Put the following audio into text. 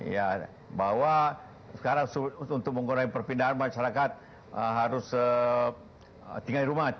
ya bahwa sekarang untuk mengurangi perpindahan masyarakat harus tinggal di rumah